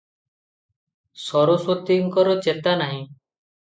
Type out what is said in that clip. ସରସ୍ୱତୀଙ୍କର ଚେତା ନାହିଁ ।